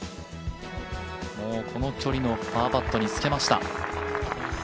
この距離のパーパットにつけました。